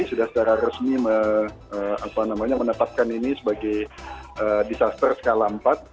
sudah secara resmi menetapkan ini sebagai disaster skala empat